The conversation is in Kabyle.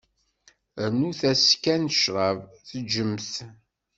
Rnut-as kan ccrab, teǧǧem-t.